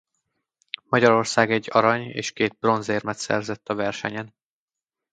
Magyarország egy arany- és két bronzérmet szerzett a versenyen.